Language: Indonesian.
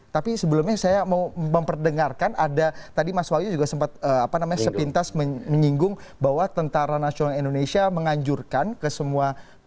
tapi sebelumnya saya mau memperdengarkan ada tadi mas wahyu juga sempat sepintas menyinggung bahwa tentara nasional indonesia menganjurkan ke semua